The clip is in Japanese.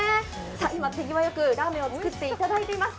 今、手際良くラーメンを作っていただいております。